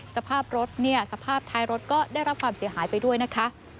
สภาพรถเนี่ยสภาพท้ายรถก็ได้รับความเสียหายไปด้วยนะคะ